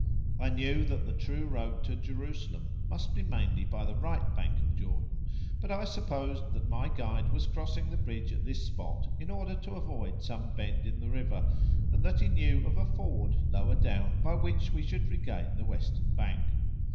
I knew that the true road to Jerusalem must be mainly by the right bank of Jordan, but I supposed that my guide was crossing the bridge at this spot in order to avoid some bend in the river, and that he knew of a ford lower down by which we should regain the western bank.